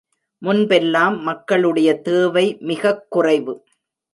முன்பெல்லாம் மக்களுடைய தேவை மிகக் குறைவு.